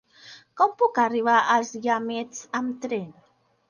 Com puc arribar als Guiamets amb tren?